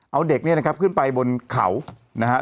เอาเด็กนี้นะครับขึ้นไปบนเขานะครับ